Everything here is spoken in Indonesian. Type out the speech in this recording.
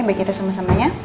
biar kita sama sama ya